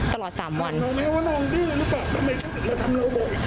ตลอดสามวันน้องน้องดื้อหรือเปล่าทำไมทำน้องบ่อย